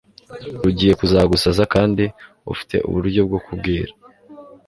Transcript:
rugiye kuzagusaza kandi ufite uburyo bwo kubwira